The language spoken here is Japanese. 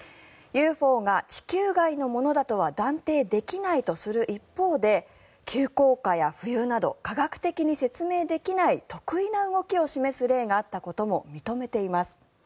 ＵＦＯが地球外のものだとは断定できないとする一方で急降下や浮遊など科学的に説明できない特異な動きを示す例があったことも認めています。